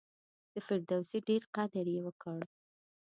د فردوسي ډېر قدر یې وکړ.